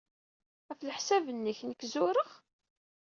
Ɣef leḥsab-nnek, nekk zureɣ?